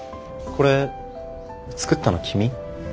これ作ったの君？